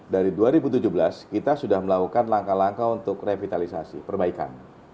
dari dua ribu tujuh belas kita sudah melakukan langkah langkah untuk revitalisasi perbaikan